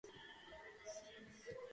ქვეშეთის თემის შემადგენლობაში.